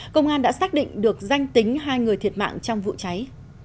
công an đã xác định được danh tính hai người thiệt mạng trong vụ cháy